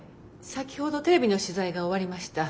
先ほどテレビの取材が終わりました。